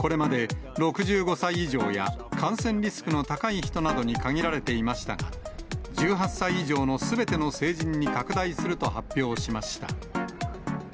これまで６５歳以上や感染リスクの高い人などに限られていましたが、１８歳以上のすべての成人に拡大すると発表しました。